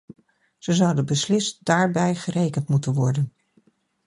Ze zouden beslist daarbij gerekend moeten worden.